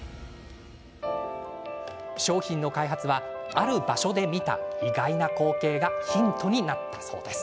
商品の開発はある場所で見た意外な光景がヒントになったそうです。